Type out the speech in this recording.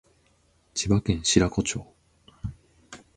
千葉県白子町